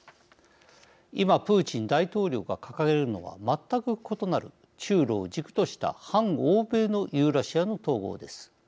今プーチン大統領が掲げるのは全く異なる中ロを軸とした反欧米のユーラシアの統合です。